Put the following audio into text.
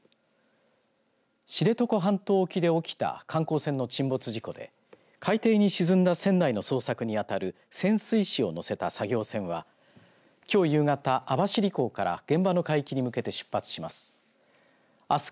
知床半島沖で起きた観光船の沈没事故で海底に沈んだ船内の捜索に当たる潜水士を乗せた作業船はきょう夕方、網走港から現場の海域に向けて出発します。